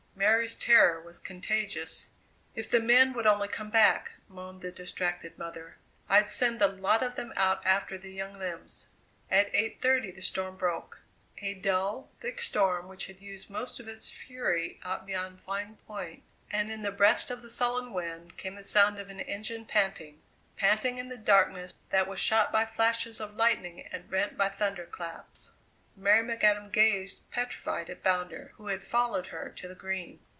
Mary's terror was contagious. "If the men would only come back," moaned the distracted mother; "I'd send the lot of them out after the young limbs!" At eight thirty the storm broke. A dull, thick storm which had used most of its fury out beyond Flying Point, and in the breast of the sullen wind came the sound of an engine panting, panting in the darkness that was shot by flashes of lightning and rent by thunder claps. Mary McAdam gazed petrified at Bounder, who had followed her to the Green.